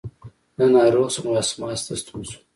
زه ناروغ شوم او اسماس ته ستون شوم.